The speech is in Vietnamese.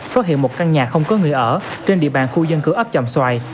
phát hiện một căn nhà không có người ở trên địa bàn khu dân cửa ấp chòm xoài